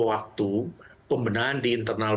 waktu pembinaan di internal